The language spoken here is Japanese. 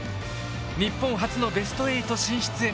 日本初のベスト８進出へ。